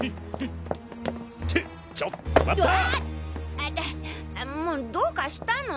あ痛っもうどうかしたの？